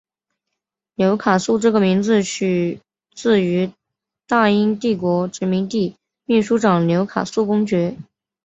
纽卡素这个名字取自于大英帝国殖民地秘书长纽卡素公爵。